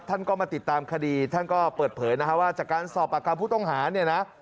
ท่านก็มาติดตามคดีท่านก็เปิดเผยนะฮะว่าจากการสอบปากคำผู้ต้องหาเนี่ยนะ